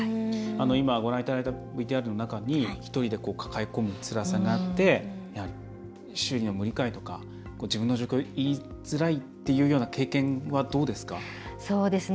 今、ご覧いただいたＶＴＲの中に１人で抱え込むつらさがあって周囲への理解とか自分の状況を言いづらいという経験はどうですか？